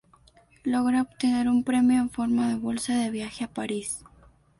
Logra obtener un premio en forma de bolsa de viaje a París.